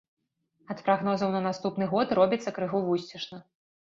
Ад прагнозаў на наступны год робіцца крыху вусцішна.